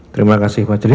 terima kasih pak jelis